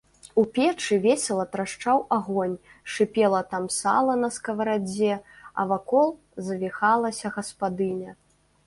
У печы весела трашчаў агонь, шыпела там сала на скаварадзе, а вакол завіхалася гаспадыня.